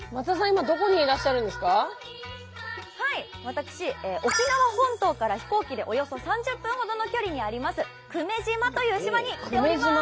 私沖縄本島から飛行機でおよそ３０分ほどの距離にあります久米島という島に来ております。